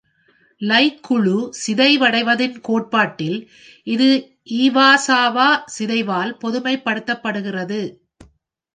லை குழு சிதைவடைவதின் கோட்பாட்டில் இது இவாசாவா சிதைவால் பொதுமைப்படுத்தப்படுகிறது.